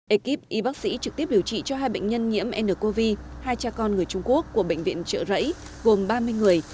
ekip y bác sĩ trực tiếp điều trị cho hai bệnh nhân nhiễm ncov hai cha con người trung quốc của bệnh viện trợ rẫy gồm ba mươi người